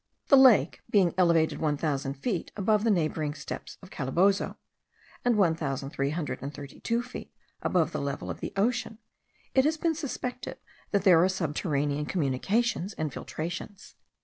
The lake being elevated one thousand feet above the neighbouring steppes of Calabozo, and one thousand three hundred and thirty two feet above the level of the ocean, it has been suspected that there are subterranean communications and filtrations.